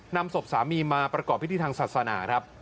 นำศพสามีมาประกอบพิธีทางศาสนาครับ